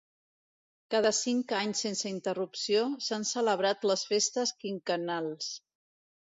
Cada cinc anys sense interrupció, s'han celebrat les festes quinquennals.